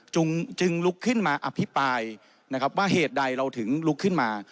จึงลุกขึ้นมาอภิปรายนะครับว่าเหตุใดเราถึงลุกขึ้นมา